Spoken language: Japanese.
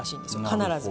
必ず。